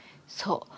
そう。